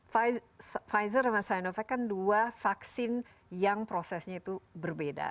pfizer sama sinovac kan dua vaksin yang prosesnya itu berbeda